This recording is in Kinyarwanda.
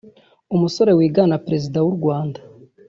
umusore wigana Perezida w’u Rwanda